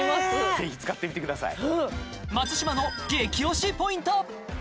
ぜひ使ってみてください